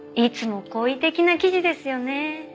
いつも好意的な記事ですよね。